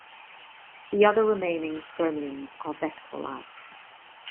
The other remaining fermions are vectorlike.